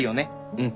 うん。